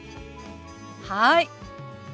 はい。